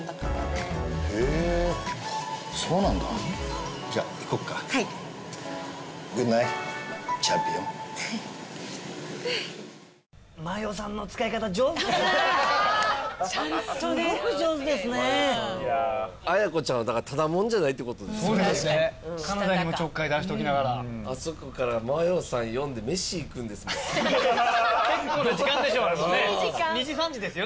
へぇそうなんだうんじゃあ行こっかはいグッナイチャンピオンフッ麻世さんの使い方上手だねぇちゃんとねすごく上手ですねぇ綾子ちゃんはだからただ者じゃないってことですね金田にもちょっかい出しておきながらあそこから麻世さん呼んで飯行くんですもん結構な時間でしょあれもねいい時間２時３時ですよ